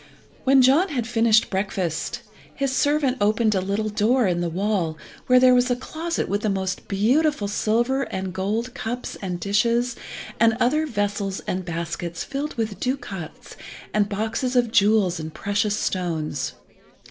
When John had finished breakfast, his servant opened a little door in the wall, where was a closet with the most beautiful silver and gold cups and dishes and other vessels and baskets filled with ducats and boxes of jewels and precious stones.